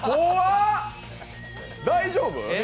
大丈夫？